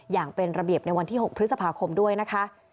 อย่างเป็นระเบียบในวันที่๖พฤษภาคมด้วยนะคะ